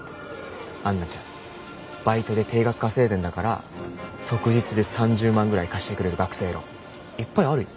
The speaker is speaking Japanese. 杏奈ちゃんバイトで定額稼いでるんだから即日で３０万ぐらい貸してくれる学生ローンいっぱいあるよ。